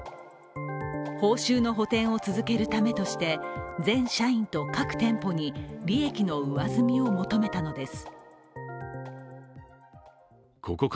報酬の補填を続けるためとして全社員と各店舗に利益の上積みを求めたのです。